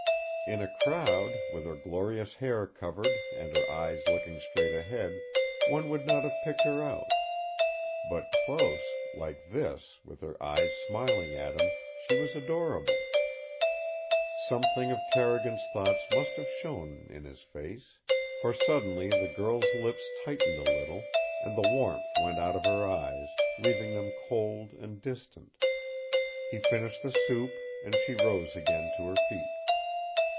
In a crowd, with her glorious hair covered and her eyes looking straight ahead, one would not have picked her out. But close, like this, with her eyes smiling at him, she was adorable. Something of Carrigan's thoughts must have shown in his face, for suddenly the girl's lips tightened a little, and the warmth went out of her eyes, leaving them cold and distant. He finished the soup, and she rose again to her feet.